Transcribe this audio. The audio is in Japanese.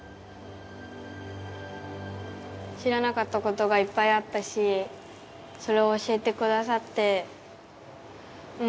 知らなかった事がいっぱいあったしそれを教えてくださってうーん。